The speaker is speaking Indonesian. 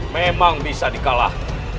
memang bisa dikalah